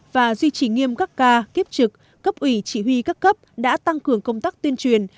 và duy trì nghiêm các ca kiếp trực cấp ủy chỉ huy các cấp đã tăng cường công tác tuyên truyền